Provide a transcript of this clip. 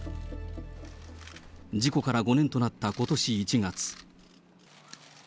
事故から５年となったことし１月。